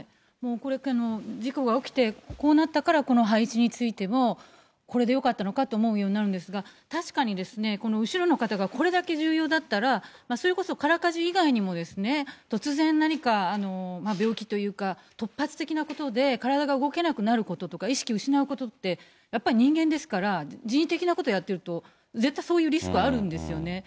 これ、事故が起きてこうなったから、この配置についてもこれでよかったのかと思うようになるんですが、確かにですね、この後ろの方がこれだけ重要だったら、それこそ空かじ以外にも、突然何か、病気というか、突発的なことで体が動けなくなることとか、意識失うことって、やっぱり人間ですから、人為的なことをやっていると絶対そういうリスクはあるんですよね。